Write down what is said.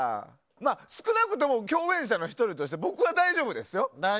少なくとも共演者の１人として僕は大丈夫ですよ？